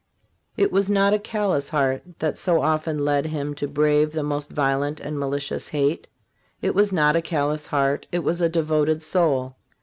It was not a callous heart that so often led him to brave the most violent and malicious hate; it was not a callous heart, it was a devoted soul.